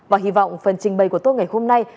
và hy vọng phần trình bày của tôi ngày hôm nay